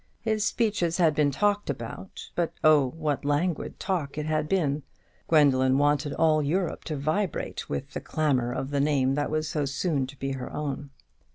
His speeches had been talked about; but, oh, what languid talk it had been! Gwendoline wanted all Europe to vibrate with the clamour of the name that was so soon to be her own.